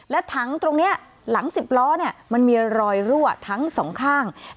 และถังตรงนี้หลัง๑๐ล้อมันมีรอยรั่วทั้งสองข้าง